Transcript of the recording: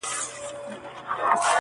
د نازولي یار په یاد کي اوښکي غم نه دی.